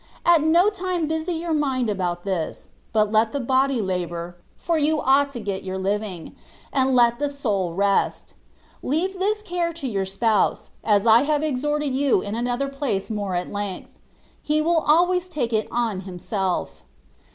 At no time busy your mind about this : but let the body labour (for you ought to get your living), and let the soul rest : leave this care to your spouse, as I have exhorted you in another place more at length: He will always take it on himself.